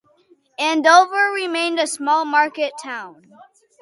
Andover remained a small market town.